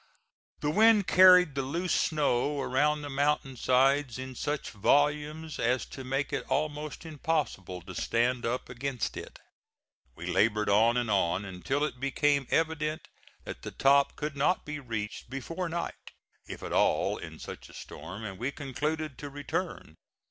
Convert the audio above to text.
The wind carried the loose snow around the mountain sides in such volumes as to make it almost impossible to stand up against it. We labored on and on, until it became evident that the top could not be reached before night, if at all in such a storm, and we concluded to return.